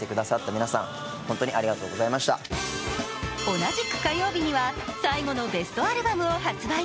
同じく火曜日には、最後のベストアルバムを発売。